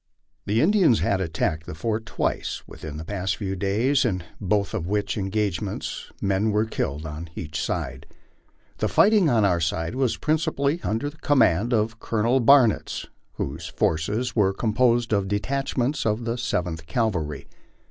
The Indians had attacked the fort twice within the past few days, in both of which engagements men were killed on each side. The fighting on our side was principally under the command of Colonel Barnitz, whose forces were composed of detachments of the Seventh Cavalry.